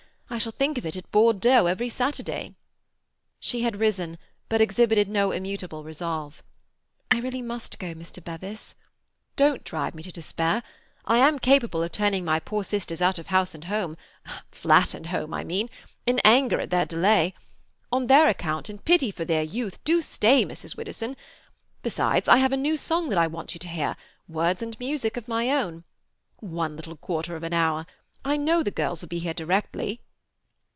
I shall think of it at Bordeaux every Saturday." She had risen, but exhibited no immutable resolve. "I really must go, Mr. Bevis—!" "Don't drive me to despair. I am capable of turning my poor sisters out of house and home—flat and home, I mean—in anger at their delay. On their account, in pity for their youth, do stay, Mrs. Widdowson! Besides, I have a new song that I want you to hear—words and music my own. One little quarter of an hour! And I know the girls will be here directly."